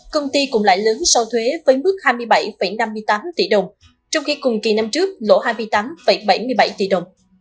công ty cũng lại lớn so thuế với mức hai mươi bảy năm mươi tám tỷ đồng trong khi cùng kỳ năm trước lỗ hai mươi tám bảy mươi bảy tỷ đồng